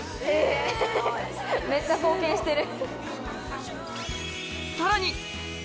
めっちゃ貢献してる。